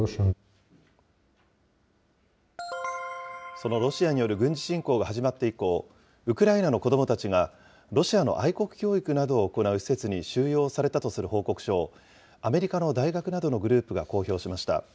そのロシアによる軍事侵攻が始まって以降、ウクライナの子どもたちが、ロシアの愛国教育などを行う施設に収容されたとする報告書を、アメリカの大学などのグループが公表しました。